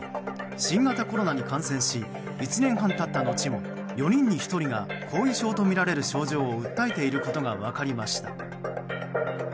新型コロナに感染し１年半経った後も４人に１人が後遺症とみられる症状を訴えていることが分かりました。